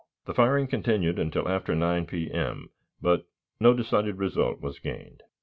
The firing continued until after 9 P.M., but no decided result was gained.